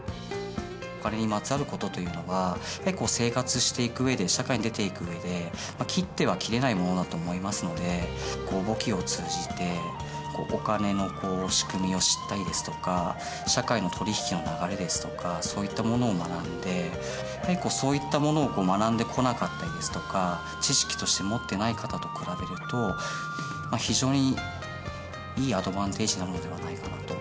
お金にまつわる事というのはやはり生活していく上で社会に出ていく上で切っては切れないものだと思いますので簿記を通じてお金の仕組みを知ったりですとか社会の取引の流れですとかそういったものを学んでそういったものを学んでこなかったりですとか知識として持ってない方と比べると非常にいいアドバンテージなのではないかと思います。